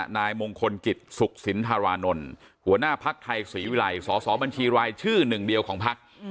นายมงคลกิจสุขสินธารานนท์หัวหน้าภักดิ์ไทยศรีวิลัยสอสอบัญชีรายชื่อหนึ่งเดียวของพัก